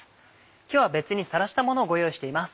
今日は別にさらしたものをご用意しています。